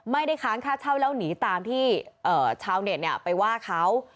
ค้างค่าเช่าแล้วหนีตามที่ชาวเน็ตไปว่าเขา